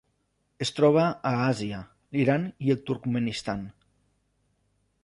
Es troba a Àsia: l'Iran i el Turkmenistan.